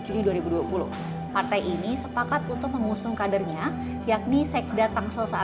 dan berpengaruh di wilayah yang merupakan keponakan dari mantan gubernur banten pratu antun coisya